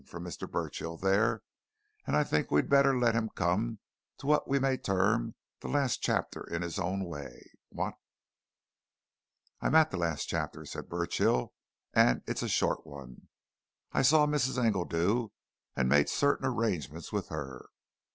from Mr. Burchill there, and I think we'd better let him come to what we may term the last chapter in his own way what?" "I'm at the last chapter," said Burchill. "And it's a short one. I saw Mrs. Engledew and made certain arrangements with her.